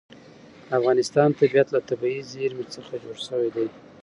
د افغانستان طبیعت له طبیعي زیرمې څخه جوړ شوی دی.